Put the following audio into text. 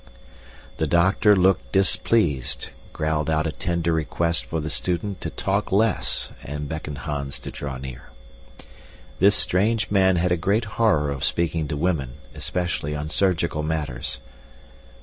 The doctor looked displeased, growled out a tender request for the student to talk less, and beckoned Hans to draw near. This strange man had a great horror of speaking to women, especially on surgical matters.